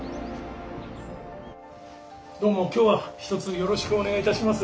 どうも今日はひとつよろしくお願いいたします。